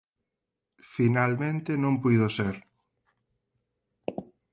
Finalmente non puido ser.